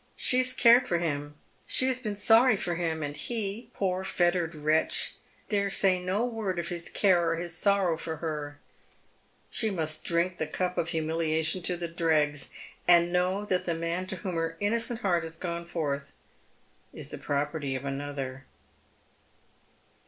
She has cared for him,^ ehe has been sorry for him, and he, poor fettered wretch, dare' eay no word of his care or his sorrow for her. She must drink the cup of humiliation to the dregs, and know that the man to whom her innocent heart has gone forth is the property of another.